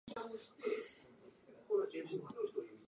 飜訳という仕事は畢竟するに、